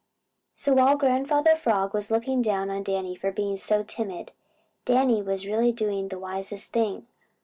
So while Grandfather Frog was looking down on Danny for being so timid, Danny was really doing the wisest thing.